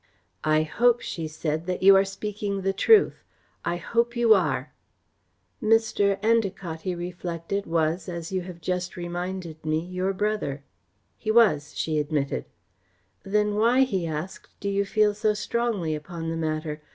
"I hope," she said, "that you are speaking the truth. I hope you are." "Mr. Endacott," he reflected, "was, as you have just reminded me, your brother." "He was," she admitted. "Then why," he asked, "do you feel so strongly upon the matter?